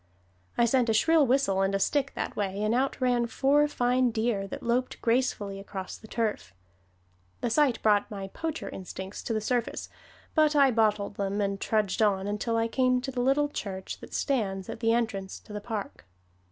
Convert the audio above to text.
I sent a shrill whistle and a stick that way, and out ran four fine deer that loped gracefully across the turf. The sight brought my poacher instincts to the surface, but I bottled them, and trudged on until I came to the little church that stands at the entrance to the park.